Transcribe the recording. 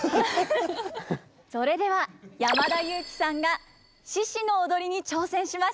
それでは山田裕貴さんが獅子の踊りに挑戦します。